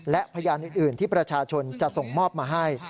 และพยานอื่นที่ประชาชนจะส่งมอบมาให้